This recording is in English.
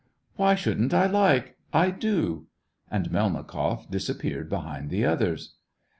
" Why shouldn't I like ! I do !" And Melnikoff disappeared behind the others.